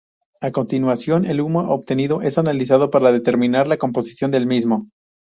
A continuación, el humo obtenido es analizado para determinar la composición del mismo.